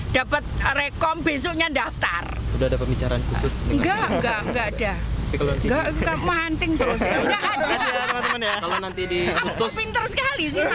dapat rekom besoknya daftar udah ada pembicaraan khusus enggak enggak enggak ada enggak enggak